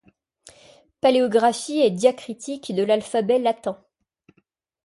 Paléographie et Diacritiques de l'alphabet latin.